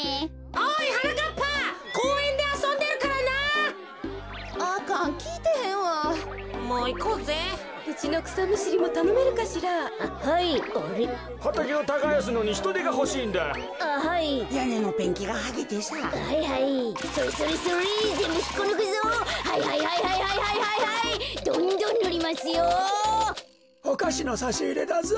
おかしのさしいれだぞ。